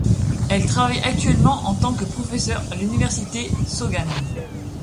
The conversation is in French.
Elle travaille actuellement en tant que professeur à l'université Sogang.